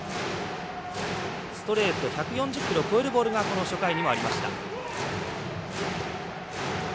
ストレート１４０キロ超えるボールが初回にもありました。